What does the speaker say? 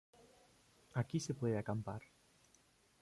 Aquí se puede acampar.